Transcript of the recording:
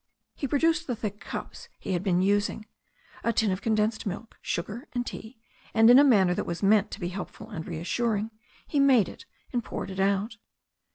He produced the thick cups he had been using, a tin of condensed milk, sugar and tea, and in a manner that was meant to be helpful and reassuring he made it and poured it out.